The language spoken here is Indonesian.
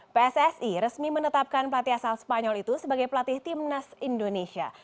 pssi resmi menetapkan pelatih asal spanyol itu sebagai pelatih timnas indonesia